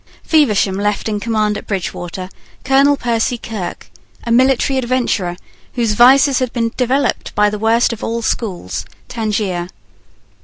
Feversham left in command at Bridgewater Colonel Percy Kirke, a military adventurer whose vices had been developed by the worst of all schools, Tangier.